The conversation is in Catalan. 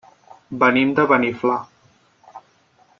Venim de Beniflà.